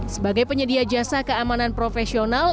sebagai penyedia jasa keamanan profesional